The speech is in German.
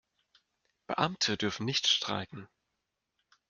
Beamte dürfen nicht streiken.